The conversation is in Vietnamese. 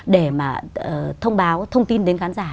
để mà thông báo thông tin đến khán giả